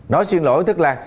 nói xin lỗi tức là